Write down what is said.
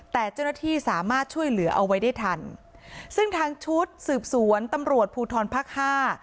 แต่เจ้าหน้าที่สามารถช่วยเหลือเอาไว้ได้ทันซึ่งทางชุดสืบสวนตำรวจภูทรภาคห้า